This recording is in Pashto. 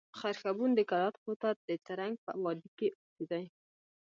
خرښبون د کلات خوا ته د ترنک په وادي کښي اوسېدئ.